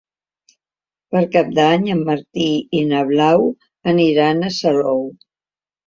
Per Cap d'Any en Martí i na Blau aniran a Salou.